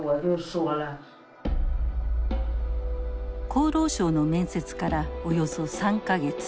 厚労省の面接からおよそ３か月。